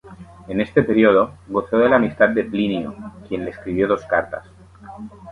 En este periodo, gozó de la amistad de Plinio, quien le escribió dos cartas.